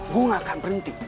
gue gak akan berhenti